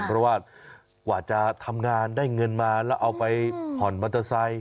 เพราะว่ากว่าจะทำงานได้เงินมาแล้วเอาไปผ่อนมอเตอร์ไซค์